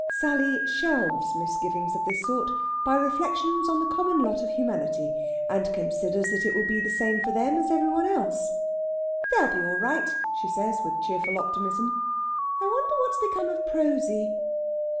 Sally shelves misgivings of this sort by reflections on the common lot of humanity, and considers that it will be the same for them as every one else. "They'll be all right," she says, with cheerful optimism. "I wonder what's become of Prosy."